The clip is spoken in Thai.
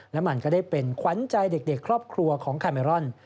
และมันก็ได้เป็นขวัญใจเด็กครอบครัวของคาเมรอน